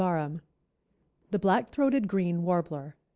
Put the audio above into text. ] THE BLACK THROATED GREEN WARBLER.